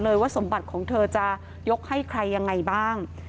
ว่าสมบัติของเธอจะยกให้ใครยังไงบ้าง